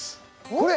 これ？